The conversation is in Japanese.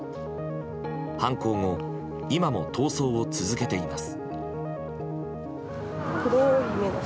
犯行後、今も逃走を続けています。